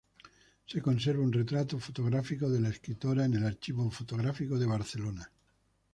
Se conserva un retrato fotográfico de la escritora en el Archivo Fotográfico de Barcelona.